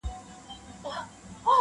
• له لمني یې د وینو زڼي پاڅي -